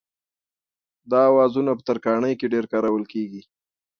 دا اوزارونه په ترکاڼۍ کې ډېر کارول کېږي.